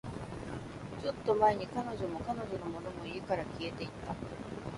ちょっと前に、彼女も、彼女のものも、家から消えていった